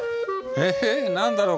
え何だろう？